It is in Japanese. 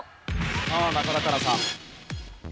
さあ中田花奈さん。